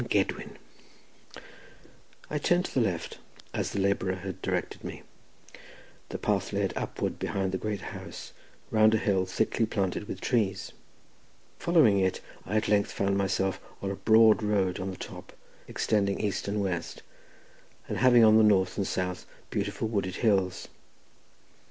"Llan Gedwin." I turned to the left, as the labourer had directed me. The path led upward behind the great house, round a hill thickly planted with trees. Following it, I at length found myself on a broad road on the top extending east and west, and having on the north and south beautiful wooded hills.